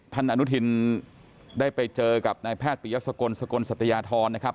อนุทินได้ไปเจอกับนายแพทย์ปียสกลสกลสัตยาธรนะครับ